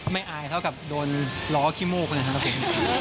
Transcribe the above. ไม่อายเท่ากับโดนร้อขี้มูกคนอื่นครับผม